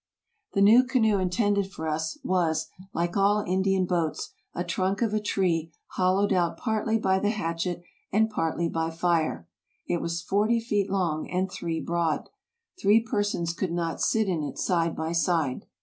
" The new canoe intended for us was, like all Indian boats, a trunk of a tree hollowed out partly by the hatchet and partly by fire. It was forty feet long and three broad. Three persons could not sit in it side by side.